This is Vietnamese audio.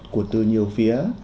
của từ nhiều phía